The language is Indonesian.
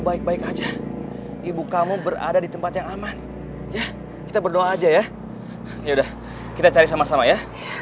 baik baik aja ibu kamu berada di tempat yang aman ya kita berdoa aja ya yaudah kita cari sama sama ya